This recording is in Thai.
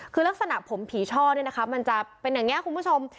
คือลักษณะผมผีช่อเนี่ยนะคะมันจะเป็นอย่างนี้คุณผู้ชม